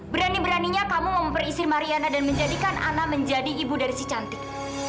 berani beraninya kamu memperisi mariana dan menjadikan ana menjadi ibu dari si cantik